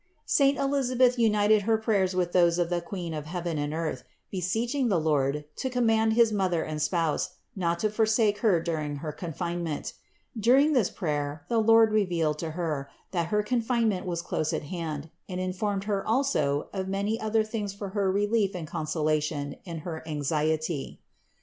Saint Elisabeth united her prayers with those of the Queen of heaven and earth, beseeching the Lord to command his Mother and Spouse not to forsake her during her confinement. During this prayer the Lord revealed to her, that her confinement was close at hand, and informed her also of many other things for her relief and consolation in her anxiety.